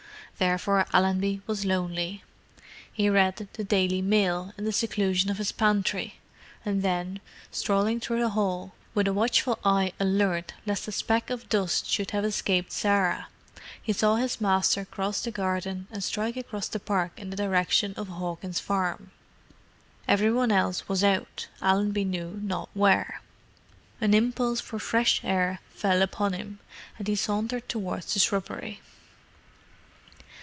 Therefore Allenby was lonely. He read the Daily Mail in the seclusion of his pantry, and then, strolling through the hall, with a watchful eye alert lest a speck of dust should have escaped Sarah, he saw his master cross the garden and strike across the park in the direction of Hawkins' farm. Every one else was out, Allenby knew not where. An impulse for fresh air fell upon him, and he sauntered towards the shrubbery.